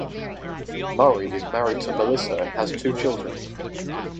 Murry is married to Melissa and has two children.